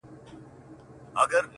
څارنوال د ځان په جُرم نه پوهېږي،